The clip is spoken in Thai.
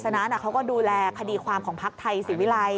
จริงเขาก็มีเหมือนกับคดีส่วนตัวต้องไปดูอยู่แล้ว